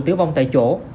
tử vong tại chỗ